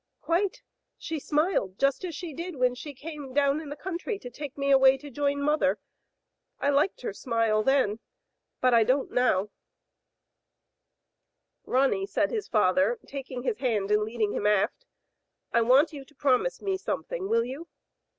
. "Quite; she smiled just as she did when she came down in the country to take me away to join mother. I liked her smile then, but I don't now.*' Digitized by Google H. W, LUCY, 247 "Ronny/* said his father, taking his hand and leading him aft, "I want you to promise me something; will you?"